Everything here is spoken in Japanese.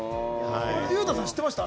裕太さん、知ってました？